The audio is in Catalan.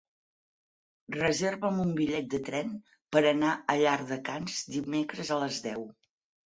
Reserva'm un bitllet de tren per anar a Llardecans dimecres a les deu.